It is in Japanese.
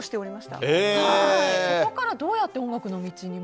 そこからどうやって音楽の道に